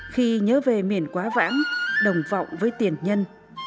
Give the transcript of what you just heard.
khi nhớ về miền quá vãng đồng vọng với tiền nhân